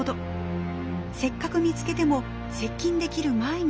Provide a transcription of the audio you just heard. せっかく見つけても接近できる前に潜ることも。